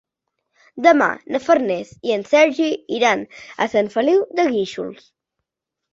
Demà na Farners i en Sergi iran a Sant Feliu de Guíxols.